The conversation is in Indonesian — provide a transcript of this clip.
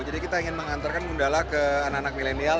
jadi kita ingin mengantarkan gundala ke anak anak milenial